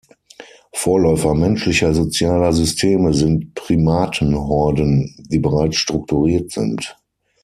Vorläufer menschlicher sozialer Systeme sind Primatenhorden, die bereits strukturiert sind.